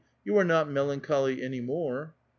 You are not melan choly any more !